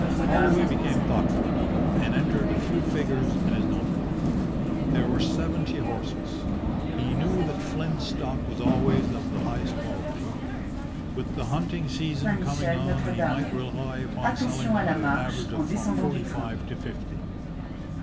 Holloway became thoughtful, and entered a few figures in his note book. There were seventy horses. He knew that Flynn's stock was always of the highest quality. With the hunting season coming on he might rely upon selling them at an average of from forty five to fifty.